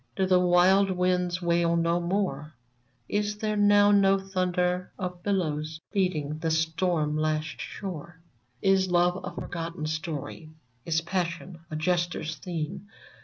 Do the wild winds wail no more ? Is there now no thunder of billows Beating the stortn lashed shore ?'^ Is Love a. forgotten story ? Is Passion a jester's theme